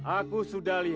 aku sudah lihat